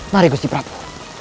mari gue si prabu